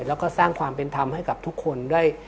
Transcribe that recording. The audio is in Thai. แล้วก็สร้างความเป็นธรรมให้กับทุกคนด้วย